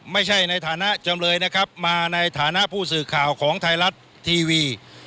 ในฐานะจำเลยนะครับมาในฐานะผู้สื่อข่าวของไทยรัฐทีวี